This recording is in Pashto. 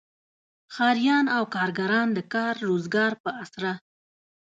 ښاریان او کارګران د کار روزګار په اسره.